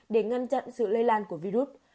để ngăn chặn sự lây lan của virus